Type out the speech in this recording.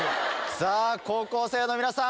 さぁ高校生の皆さん